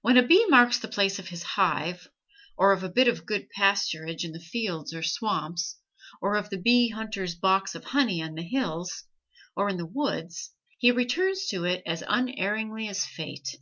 When a bee marks the place of his hive, or of a bit of good pasturage in the fields or swamps, or of the bee hunter's box of honey on the hills or in the woods, he returns to it as unerringly as fate.